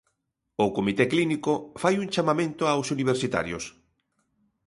O comité clínico fai un chamamento aos universitarios.